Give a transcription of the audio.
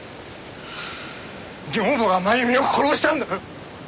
女房が真由美を殺したんだ！